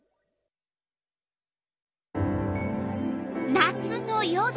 夏の夜空。